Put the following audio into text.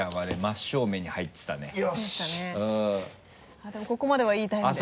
あっでもここまではいいタイムです。